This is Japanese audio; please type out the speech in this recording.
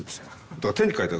だから手に書いた。